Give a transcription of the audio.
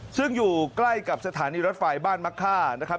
ซึ่งอยู่ใกล้กับสถานีรถไฟบ้านมะค่านะครับ